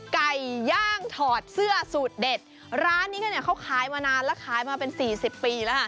ไก่ย่างถอดเสื้อสูตรเด็ดร้านนี้ก็เนี่ยเขาขายมานานแล้วขายมาเป็นสี่สิบปีแล้วค่ะ